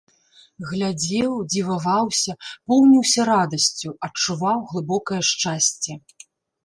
Глядзеў, дзіваваўся, поўніўся радасцю, адчуваў глыбокае шчасце.